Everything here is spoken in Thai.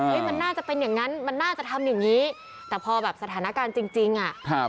เฮ้ยมันน่าจะเป็นอย่างนั้นมันน่าจะทำอย่างนี้แต่พอแบบสถานการณ์จริงอะ